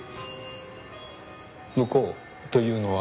「向こう」というのは？